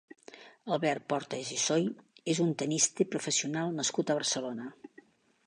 Albert Portas i Soy és un tennista professional nascut a Barcelona.